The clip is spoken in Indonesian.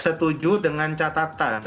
setuju dengan catatan yang ada di indonesia